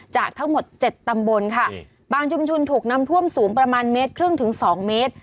จากทั้งหมด๗ตำบลค่ะบางชุมชนถูกนำท่วมสูงประมาณเมตรครึ่งถึง๒เมตร